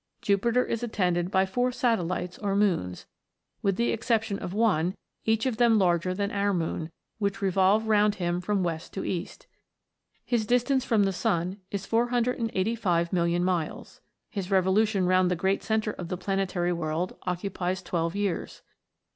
Jupiter is attended by four satellites or moons, with the exception of one, each of them larger than our moon, which revolve round him from west to east. His distance from the sun is 485,000,000 miles ; his revolution round the great centre of the planetary world occupies 12 years.